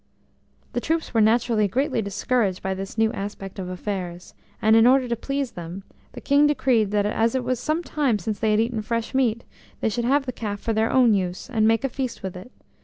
The troops were naturally greatly discouraged by this new aspect of affairs, and, in order to please them, the King decreed that as it was some time since they had eaten fresh meat, they should have the calf for their own use, and make a feast with it.